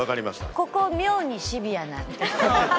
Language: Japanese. ここ妙にシビアなんで。